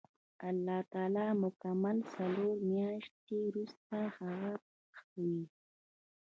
الله تعالی مکمل څلور میاشتې وروسته هغه پخوي.